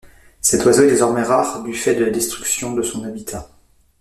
Cet oiseau est désormais rare du fait de la destruction de son habitat.